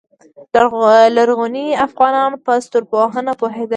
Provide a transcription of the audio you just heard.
لرغوني افغانان په ستورپوهنه پوهیدل